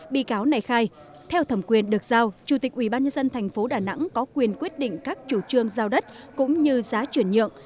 bị cáo này khai theo thẩm quyền được giao chủ tịch ubnd tp đà nẵng có quyền quyết định các chủ trương giao đất cũng như giá chuyển nhượng